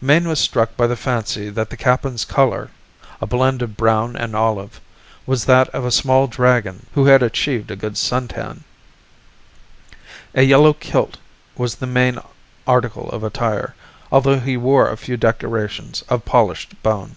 Mayne was struck by the fancy that the Kappan's color, a blend of brown and olive, was that of a small dragon who had achieved a good suntan. A yellow kilt was his main article of attire, although he wore a few decorations of polished bone.